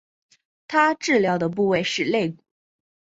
她治疗的部位是肋骨。